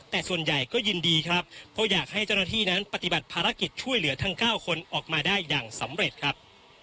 แต่ส่วนใหญ่ก็ยินดีครับเพราะอยากให้เจ้าหน้าที่นั้นปฏิบัติภารกิจช่วยเหลือทั้ง๙คนออกมาได้อย่างสำเร็จครับ